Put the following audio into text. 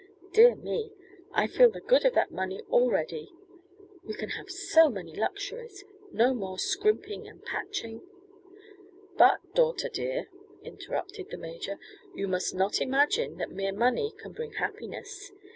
Dear me! I feel the good of that money already. We can have so many luxuries no more scrimping and patching " "But, daughter dear," interrupted the major, "you must not imagine that mere money can bring happiness.